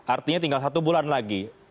artinya tinggal satu bulan lagi